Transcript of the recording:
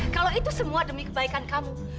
kalau itu semua demi kebaikan kamu